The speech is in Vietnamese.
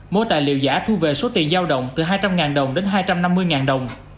mỗi tài liệu giả thu về số tiền giao động từ hai trăm linh đồng đến hai trăm năm mươi đồng